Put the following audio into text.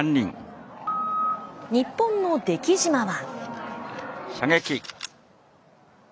日本の出来島は。